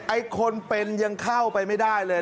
ไอ้คนเป็นยังเข้าไปไม่ได้เลย